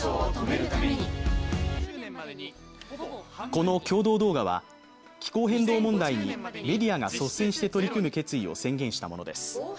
この共同動画は気候変動問題にメディアが率先して取り組む決意を宣言したものです